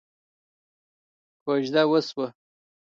کوژده وشوه.